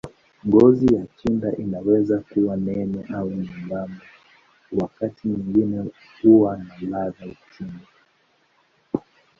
Ngozi ya tunda inaweza kuwa nene au nyembamba, wakati mwingine huwa na ladha chungu.